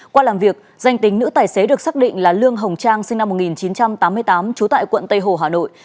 qua làm việc danh tính nữ tài xế được xác định là lương hồng trang sinh năm một nghìn chín trăm tám mươi tám trú tại quận tây hồ hà nội